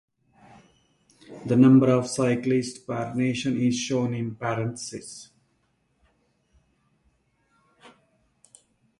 The number of cyclists per nation is shown in parentheses.